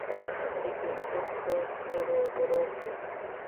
د ګېزو په تورو غرو کې.